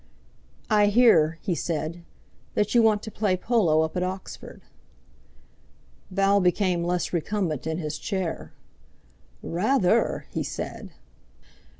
"I hear," he said, "that you want to play polo up at Oxford." Val became less recumbent in his chair. "Rather!" he said.